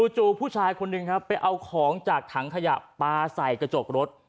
ผู้ชายคนหนึ่งครับไปเอาของจากถังขยะปลาใส่กระจกรถ